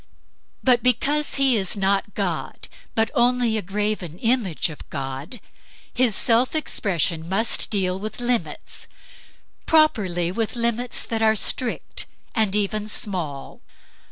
But because he is not God, but only a graven image of God, his self expression must deal with limits; properly with limits that are strict and even small.